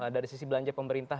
dari sisi belanja pemerintah